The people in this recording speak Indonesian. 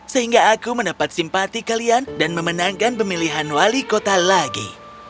sehingga aku mendapat simpati kalian dan memenangkan pemilihan wali kota lagi